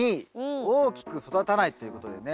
「大きく育たない」ということでね。